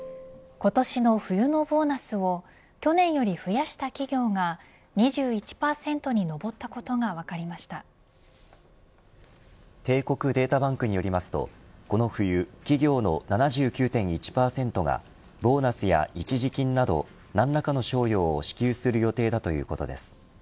今年の冬のボーナスを去年より増やした企業が２１％に上ったことが帝国データバンクによりますとこの冬企業の７９．１％がボーナスや一時金など何らかの賞与を支給する予定だということです。